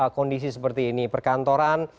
kondisi seperti ini perkantoran